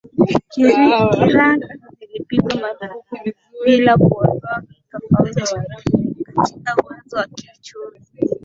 kiraa zilipigwa marufuku bila kuondoa tofauti katika uwezo wa kiuchumi